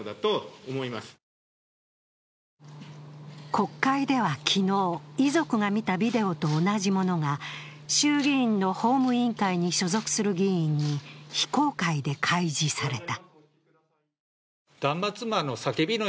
国会では昨日、遺族が見たビデオと同じものが衆議院の法務委員会に所属する議員に非公開で開示された。